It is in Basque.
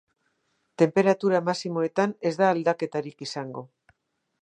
Tenperatura maximoetan ez da aldaketarik izango.